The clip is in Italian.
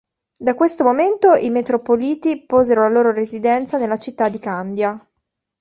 Da questo momento i metropoliti posero la loro residenza nella città di Candia.